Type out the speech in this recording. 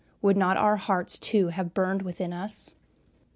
Would not our hearts too have "burned within us!"